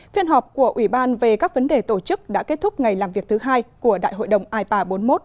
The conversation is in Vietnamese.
phiên họp của ủy ban về các vấn đề tổ chức đã kết thúc ngày làm việc thứ hai của đại hội đồng ipa bốn mươi một